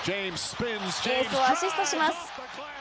エースをアシストします。